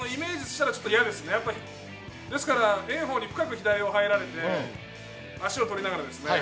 ですから炎鵬に深く左を入られて足を取りながらですね